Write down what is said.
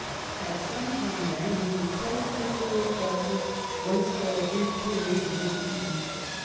At some time, then, he was placed in a school at Chelsea, whence, for a brief period, he went to Eton.